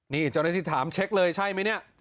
นี่เจ้าหน้าที่ถามเช็คเลยใช่ไหมเนี่ย